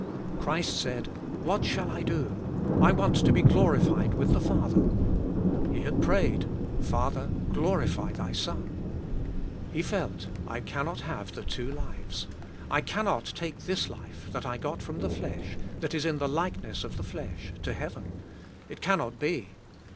Christ said, "What shall I do? I want to be glorified with the Father." He had prayed, "Fa ther, glorify Thy Son." He felt, I cannot have the two lives. I cannot take this life, that I got from the flesh, that is in the likeness of the flesh, to heaven. It cannot be.